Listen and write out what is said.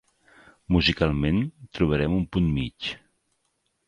Musicalment, trobarem un punt mig.